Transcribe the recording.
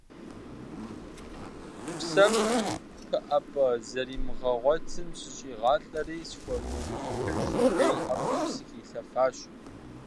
Псэм пыӀэпӀэ зэримыгъуэтым сыщӀигъалӀэри, схуэмыхьыжу жей ӀэфӀым сыхилъэфащ.